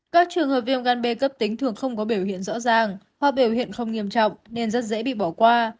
các trường hợp viêm gan b cấp tính thường không có biểu hiện rõ ràng hoặc biểu hiện không nghiêm trọng nên rất dễ bị bỏ qua